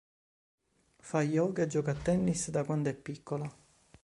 Fa yoga e gioca a tennis da quando è piccola.